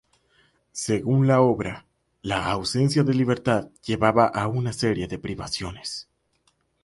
Según la obra, la ausencia de libertad llevaba a una serie de privaciones.